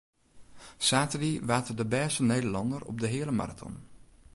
Saterdei waard er de bêste Nederlanner op de heale maraton.